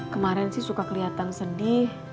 kemarin sih suka kelihatan sedih